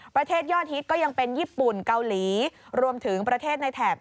ประเทศยอดฮิตก็ยังเป็นญี่ปุ่นเกาหลีรวมถึงประเทศในแถบ